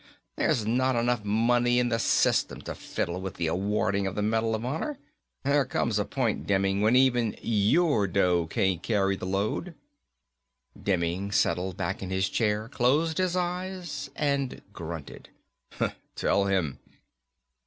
There's not enough money in the system to fiddle with the awarding of the Medal of Honor. There comes a point, Demming, where even your dough can't carry the load." Demming settled back in his chair, closed his eyes and grunted, "Tell him."